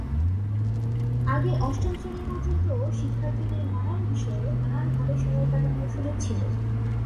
আগে অষ্টম শ্রেণি পর্যন্ত শিক্ষার্থীদের নানান বিষয়ে নানানভাবে সময় কাটানোর সুযোগ ছিল।